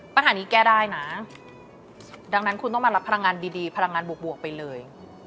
ปัญหานี้แก้ได้นะดังนั้นคุณต้องมารับพลังงานดีพลังงานบวกไปเลย